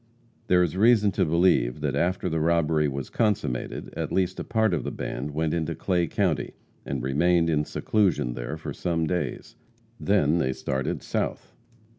There is reason to believe that after the robbery was consummated, at least a part of the band went into Clay county, and remained in seclusion there for some days. Then they started south.